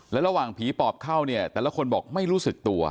แล้วระหว่างผีปอบเข้าเนี่ยแต่ละคนบอกไม่รู้สึกตัว